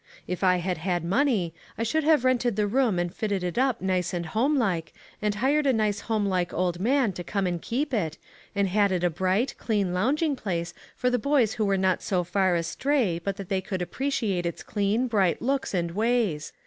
If I had had money, I should have rented the room and fitted it up nice and homelike and hired a nice homelike old man to come and keep it, and had it a bright, clean lounging place for the boys who were not so far astray but that they could appreciate its clean, bright looks and ways.